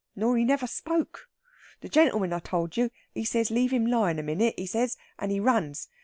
Nor he never spoke. The gentleman I told you, he says leave him lyin' a minute, he says, and he runs.